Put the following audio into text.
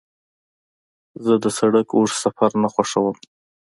زه د سړک اوږد سفر نه خوښوم.